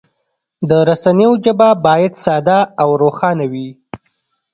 د رسنیو ژبه باید ساده او روښانه وي.